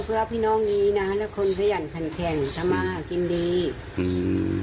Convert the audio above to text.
เขาไม่เคยแก๋เลแก๋เศะอะไรเลยนะ